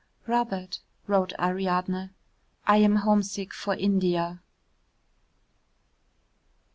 "Robert," wrote Ariadne, "I am homesick for India."